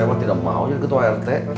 wah saya mah tidak mau jadi ketua rt